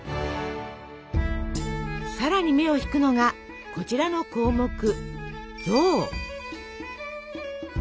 さらに目を引くのがこちらの項目「象」。